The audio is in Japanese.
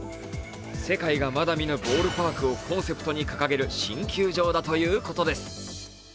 世界がまだ見ぬボールパークをコンセプトに掲げる新球場だということです。